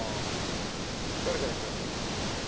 誰からいきます？